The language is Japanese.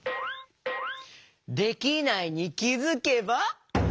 「できないに気づけば」？